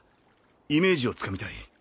イメージをつかみたい。